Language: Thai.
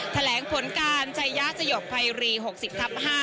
แถลงผลการชัยยะสยบภัยรี๖๐ทับ๕